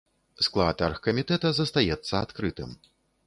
Склад аргкамітэта застаецца адкрытым.